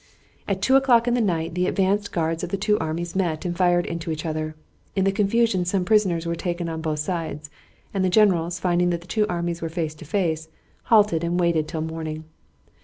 At two o'clock in the night the advanced guards of the two armies met and fired into each other. In the confusion some prisoners were taken on both sides, and the generals, finding that the two armies were face to face, halted and waited till morning.